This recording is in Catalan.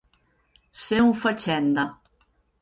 Ser un fatxenda.